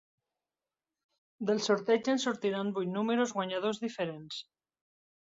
Del sorteig en sortiran vuit números guanyadors diferents.